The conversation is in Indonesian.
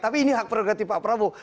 tapi ini hak prerogatif pak prabowo